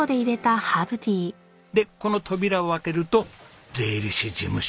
でこの扉を開けると税理士事務所。